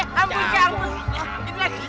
menanam caku di kebun cita